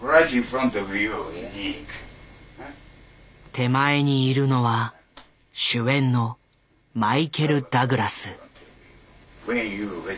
手前にいるのは主演のマイケル・ダグラス。